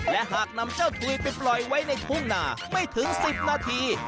และหากนำเจ้าถุยไปปล่อยไว้ในทุ่งนาไม่ถึง๑๐นาที